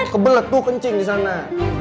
kebelet tuh kencing disana